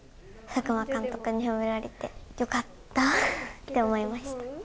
監督に褒められてよかったって思いました。